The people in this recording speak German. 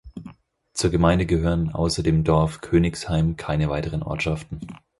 Zur Gemeinde gehören außer dem Dorf Königsheim keine weiteren Ortschaften.